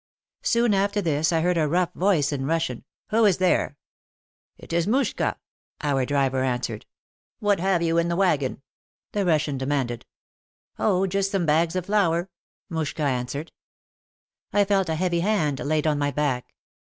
Soon after this I heard a rough voice in Russian, "Who is there ?" "It is Mushka," our driver answered. "What have you in the wagon?" the Russian de manded. "Oh, just some bags of flour," Mushka answered. I felt a heavy hand laid on my back.